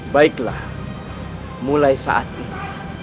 baiklah mulai saat ini